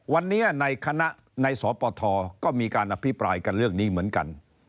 วันนี้ในคณะในสปทก็มีการอภิปรายกันเรื่องนี้เหมือนกัน